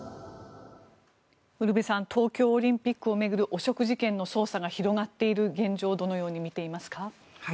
ウルヴェさん東京オリンピックを巡る汚職事件の捜査が広がっている現状をどのように見ていますか？